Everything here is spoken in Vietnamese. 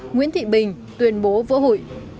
nguyễn thị bình tuyên bố vỡ hủy